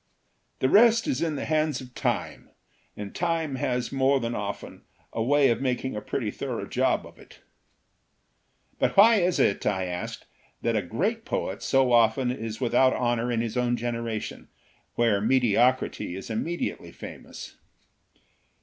The rest is in the hands of Time, and Time has more than often a way of making a pretty thorough job of it," 266 NEW DEFINITION OF POETRY "But why is it," I asked, "that a great poet so often is without honor in his own generation, where mediocrity is immediately famous?"